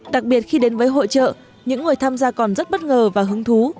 đặc biệt khi đến với hội trợ những người tham gia còn rất bất ngờ và hứng thú